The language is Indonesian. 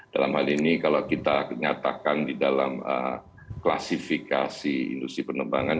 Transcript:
dalam hal ini kalau kita nyatakan di dalam klasifikasi industri penerbangan